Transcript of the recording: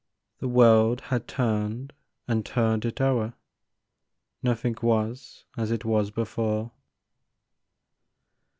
The world had turned and turned it o'er ; Nothing was as it was before.